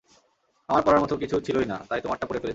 আমার পরার মত কিছু ছিলই না, তাই তোমারটা পরে ফেলেছি।